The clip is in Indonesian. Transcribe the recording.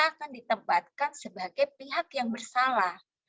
akan ditempatkan sebagai pihak yang bersalah